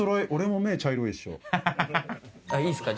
いいっすか？